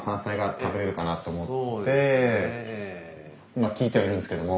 まっ聞いてはいるんですけども。